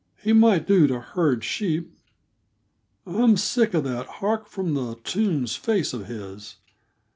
He might do to herd sheep. I'm sick of that hark from the tombs face of his.